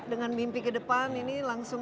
dengan mimpi ke depan ini langsung